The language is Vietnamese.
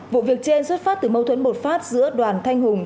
vụ việc trên xuất phát từ mâu thuẫn bột phát giữa đoàn thanh hùng